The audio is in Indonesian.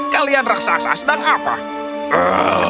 kalian raksasa sedang apa